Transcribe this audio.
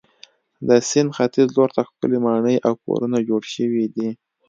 د سیند ختیځ لور ته ښکلې ماڼۍ او کورونه جوړ شوي دي.